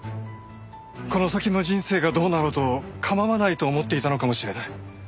この先の人生がどうなろうと構わないと思っていたのかもしれない。